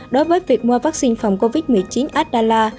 đối với việc mua vaccine phòng covid một mươi chín addallah